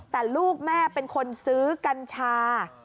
แต่ลูกแม่เป็นคนซื้อกัญชา